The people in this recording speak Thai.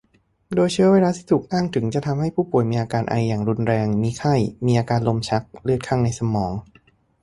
โดยเชื้อไวรัสที่ถูกอ้างถึงจะทำให้ผู้ป่วยมีอาการไออย่างรุนแรง มีไข้ มีอาการลมชัก เลือดคั่งในสมอง